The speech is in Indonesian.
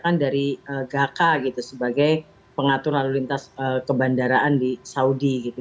bijakan dari gaka gitu sebagai pengatur lalu lintas kebandaraan di saudi gitu